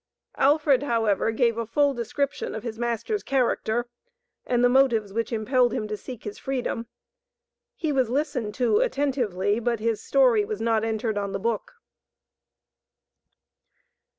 Alfred, however, gave a full description of his master's character, and the motives which impelled him to seek his freedom. He was listened to attentively, but his story was not entered on the book.